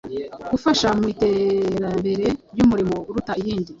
gufasha mu iterambere ry’umurimo uruta iyindi